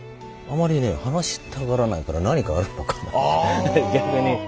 あまりね話したがらないから何かあるのかな逆に。